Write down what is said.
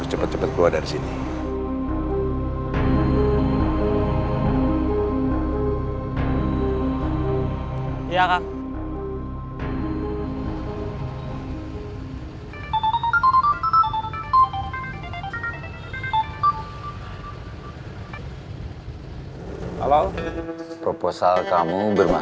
sama orangnya gak ada